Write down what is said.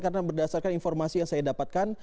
karena berdasarkan informasi yang saya dapatkan